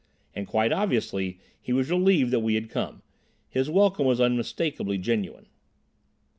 And, quite obviously, he was relieved that we had come. His welcome was unmistakably genuine.